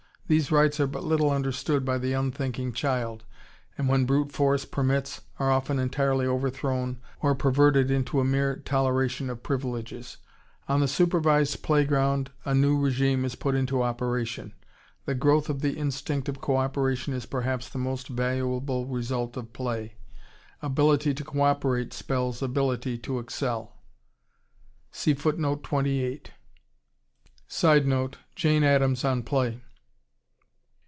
These rights are but little understood by the unthinking child, and when brute force permits, are often entirely overthrown or perverted into a mere toleration of privileges.... On the supervised playground a new regime is put into operation.... The growth of the instinct of co operation is perhaps the most valuable result of play.... Ability to co operate spells ability to excel. [Sidenote: Jane Addams on Play.